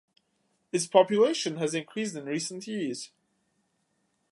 Its population has increased in recent years.